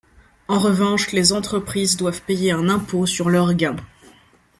En revanche, les entreprises doivent payer un impôt sur leurs gains.